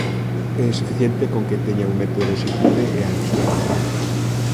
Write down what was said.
É suficiente con que teña un metro de lonxitude e a anchura dun brazo.